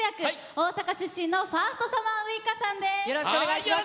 大阪出身のファーストサマーウイカさんです。